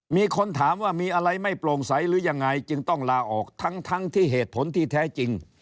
มีคนถามว่ามีอะไรไม่โปร่งใสหรือยังไงจึงต้องลาออกทั้งที่เหตุผลที่แท้จริง